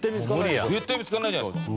絶対見つからないじゃないですか。